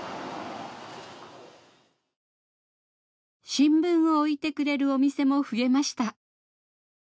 新聞を置いてくれるお店も増えました。